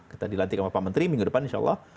kita dilantik sama pak menteri minggu depan insya allah